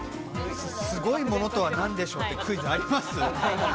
すごいものとは何でしょう？というクイズあります？